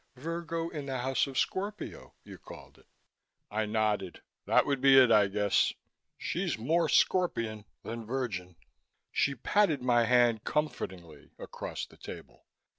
Virgo in the House of Scorpio you called it." I nodded. "That would be it, I guess. She's more scorpion than virgin." She patted my hand comfortingly across the table.